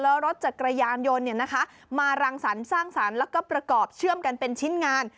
แล้วรถจักรยานยนต์มารังสรรค์สร้างสรรค์แล้วก็ประกอบเชื่อมกันเป็นชิ้นงาน